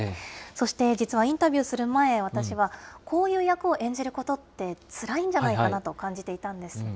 そして実はインタビューする前、私は、こういう役を演じることって、つらいんじゃないかなと感じていたんです。